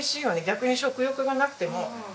逆に食欲がなくても。